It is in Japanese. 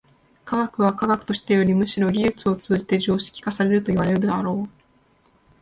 科学は科学としてよりむしろ技術を通じて常識化されるといわれるであろう。